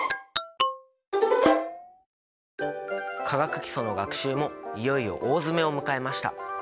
化学基礎の学習もいよいよ大詰めを迎えました。